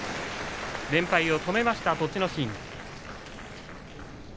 連敗を止めました栃ノ心。